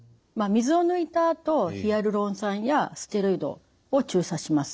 水を抜いたあとヒアルロン酸やステロイドを注射します。